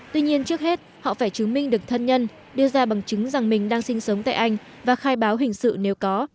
tuy nhiên trước hết họ phải chứng minh được thân nhân đưa ra bằng chứng rằng mình đang sinh sống tại anh và khai báo hình sự nếu có